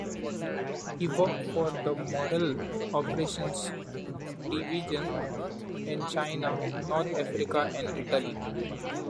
He worked for the Morale Operations division in China, North Africa, and Italy.